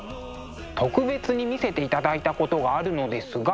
特別に見せていただいたことがあるのですが。